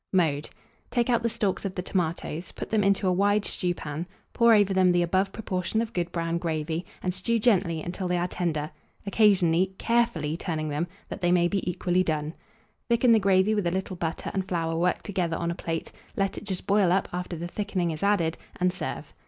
Mode. Take out the stalks of the tomatoes; put them into a wide stewpan, pour over them the above proportion of good brown gravy, and stew gently until they are tender, occasionally carefully turning them, that they may be equally done. Thicken the gravy with a little butter and flour worked together on a plate; let it just boil up after the thickening is added, and serve.